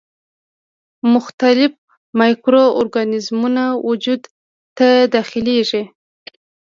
مختلف مایکرو ارګانیزمونه وجود ته داخليږي.